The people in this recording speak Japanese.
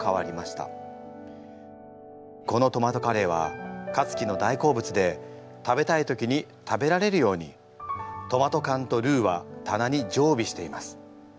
このトマトカレーはかつきの大好物で食べたい時に食べられるようにトマトかんとルーはたなにじょうびしています。